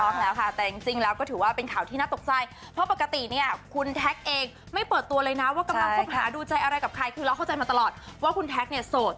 ต้องแล้วค่ะแต่จริงแล้วก็ถือว่าเป็นข่าวที่น่าตกใจเพราะปกติเนี่ยคุณแท็กเองไม่เปิดตัวเลยนะว่ากำลังคบหาดูใจอะไรกับใครคือเราเข้าใจมาตลอดว่าคุณแท็กเนี่ยโสด